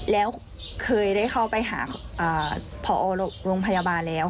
แล้วเคยได้เข้าไปหาพอโรงพยาบาลแล้ว